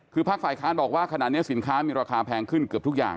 คือภาคฝ่ายค้านบอกว่าขณะนี้สินค้ามีราคาแพงขึ้นเกือบทุกอย่าง